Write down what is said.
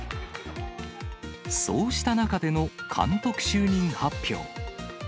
そうした中での監督就任発表。